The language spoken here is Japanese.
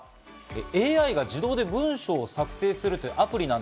ＡＩが自動で文章を作成するというアプリ。